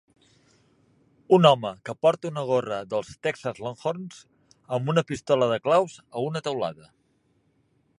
Un home que porta una gorra dels Texas Longhorns amb una pistola de claus a una teulada.